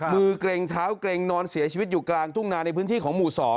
เกร็งเท้าเกร็งนอนเสียชีวิตอยู่กลางทุ่งนาในพื้นที่ของหมู่๒